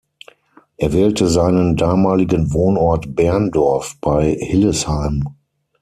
Er wählte seinen damaligen Wohnort "Berndorf" bei Hillesheim.